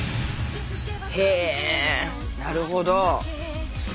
へえなるほど。